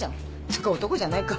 つうか男じゃないか。